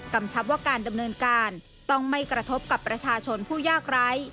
ชับว่าการดำเนินการต้องไม่กระทบกับประชาชนผู้ยากไร้